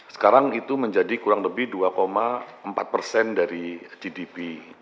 sekarang itu menjadi kurang lebih dua empat persen dari gdp